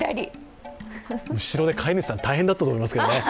後ろで飼い主さん大変だったと思いますけどね。